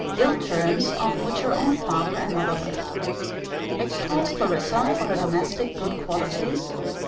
Ill terms on which her own father and mother lived. Extols Clarissa for her domestic good qualities.